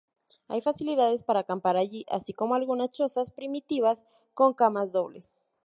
Hay facilidades para acampar allí, así como algunas chozas primitivas con camas dobles.